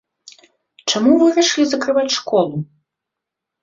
Чаму вырашылі закрываць школу?